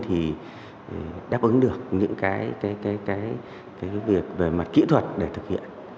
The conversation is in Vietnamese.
thì đáp ứng được những cái việc về mặt kỹ thuật để thực hiện